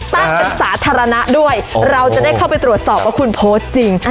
ตั้งเป็นสาธารณะด้วยเราจะได้เข้าไปตรวจสอบว่าคุณโพสต์จริง